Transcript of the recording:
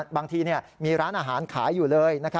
บางทีมีร้านอาหารขายอยู่เลย